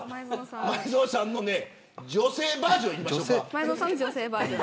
前園さんの女性バージョンいきましょう。